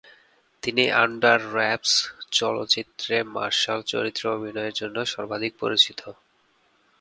তিনি "under wraps" চলচ্চিত্রে Marshall চরিত্রে অভিনয়ের জন্য সর্বাধিক পরিচিত।